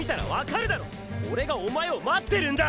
オレがおまえを待ってるんだ！！